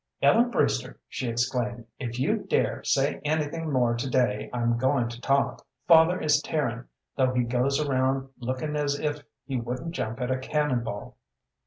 "Ellen Brewster," she exclaimed, "if you dare say anything more to day I'm goin' to talk. Father is tearing, though he goes around looking as if he wouldn't jump at a cannon ball.